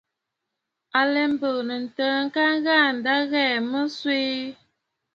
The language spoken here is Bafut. À lɛ mbɨ̀ɨ̀nə̀ ntəə ŋka ghaa, ǹda ɨ ghɛɛ̀ mə swee.